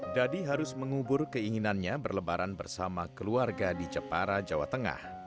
dadi harus mengubur keinginannya berlebaran bersama keluarga di jepara jawa tengah